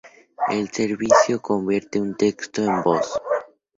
El servicio convierte un texto en voz.